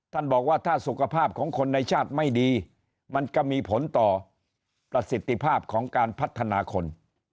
ท่านบอกว่าถ้าสุขภาพของคนในชาติไม่ดีมันจะมีผลต่อประสิทธิภาพของการพัฒนาคน